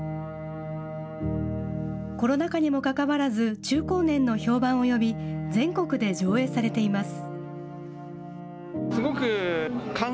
コロナ禍にもかかわらず、中高年の評判を呼び、全国で上映されています。